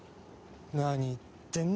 何言ってんだ？